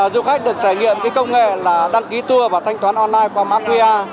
du khách được trải nghiệm cái công nghệ là đăng ký tour và thanh toán online qua macqa